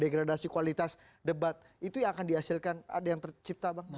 degradasi kualitas debat itu yang akan dihasilkan ada yang tercipta bang